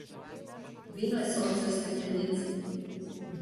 Vino je sonce v steklenici.